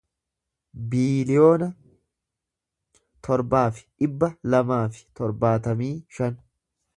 biiliyoona torbaa fi dhibba lamaa fi torbaatamii shan